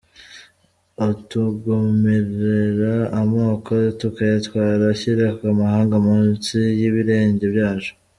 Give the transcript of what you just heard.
Atugomōrera amoko tukayatwara, Ashyira amahanga munsi y’ibirenge byacu.